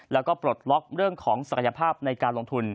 แล้วก็ปลดล็อกเรื่องของศักยภาพในการลงทุน